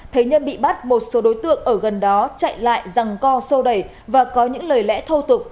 thấy nhân bị bắt một số đối tượng ở gần đó chạy lại rằng co sâu đẩy và có những lời lẽ thâu tục